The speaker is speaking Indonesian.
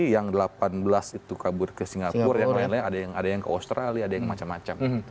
yang delapan belas itu kabur ke singapura yang lain lain ada yang ke australia ada yang macam macam